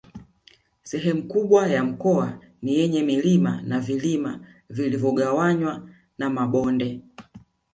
Sehemu kubwa ya mkoa ni yenye milima na vilima vilivyogawanywa na mabonde